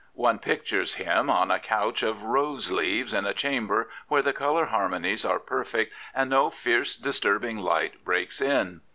One pictures him on a couch of rose leaves in a chamber where the colour harmonies are perfect and no fierce disturbing light breaks in.